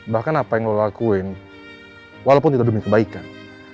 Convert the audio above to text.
bahkan apa yang lolo lakuin walaupun itu demi kebaikan